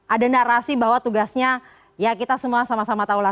ada narasi bahwa tugasnya ya kita semua sama sama tahulah